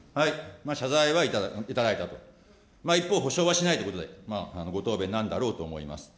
謝罪はいただいたと、一方、補償はしないということで、ご答弁なんだろうと思います。